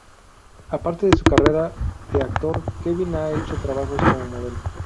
Aparte de su carrera de actor, Kevin ha hecho trabajos como modelo.